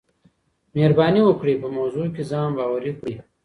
مهرباني وکړئ په موضوع کي ځان باوري کړئ.